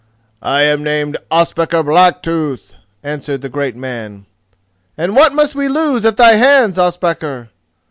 "I am named Ospakar Blacktooth," answered the great man. "And what must we lose at thy hands, Ospakar?"